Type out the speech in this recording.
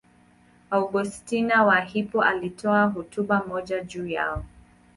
Augustino wa Hippo alitoa hotuba moja juu yao.